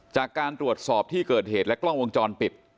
จากการตรวจสอบที่เกิดเหตุและกล้องวงจรปิด